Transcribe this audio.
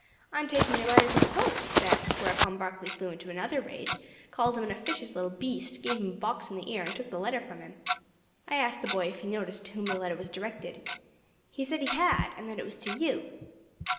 'I am taking your letter to the post,' he said; whereupon Barkley flew into another rage, called him an officious little beast, gave him a box in the ear, and took the letter from him. I asked the boy if he noticed to whom the letter was directed. He said he had, and that it was to you.